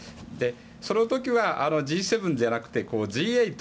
その時はＧ７じゃなくてＧ８